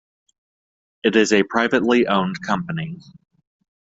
It is a privately owned company.